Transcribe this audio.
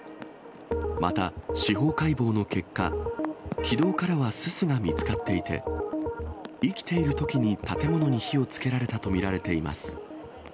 また司法解剖の結果、気道からはすすが見つかっていて、生きているときに建物に火をつけられたと見られています。